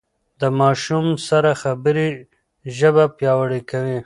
د ماشوم سره خبرې ژبه پياوړې کوي.